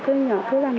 cứ nhỏ cứ vàng